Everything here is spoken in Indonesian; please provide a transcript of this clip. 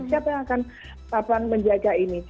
siapa yang akan menjaga ini